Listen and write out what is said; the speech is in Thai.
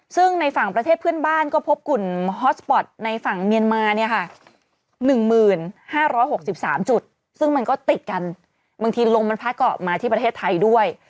ซึ่งในฝั่งประเทศเพื่อนบ้านก็พบกลุ่มฮอสปอร์ตในฝั่งเมียนมาเนี่ยค่ะ๑๕๖๓จุดซึ่งมันก็ติดกันบางทีลมมันพัดเกาะมาที่ประเทศไทยด้วย